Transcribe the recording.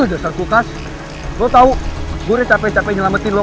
dasar kulkas lo tau gue udah capek capek nyelamatin lo